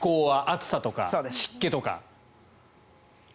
暑さとか湿気とか。